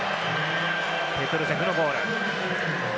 ペトルセフのゴール。